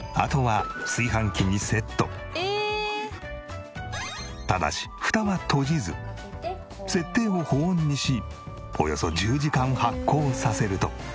あとはただしフタは閉じず設定を保温にしおよそ１０時間発酵させると。